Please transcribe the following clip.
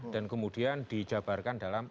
dan kemudian dijabarkan dalam